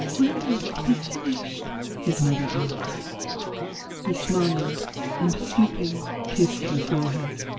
"When will it be finished?" his mother asked. He smiled, and stooping, kissed her forehead.